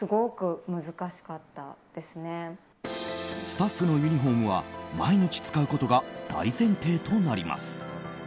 スタッフのユニホームは毎日使うことが大前提となります。